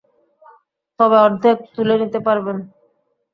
তবে অর্ধেক তুলে নিতে পারবেন।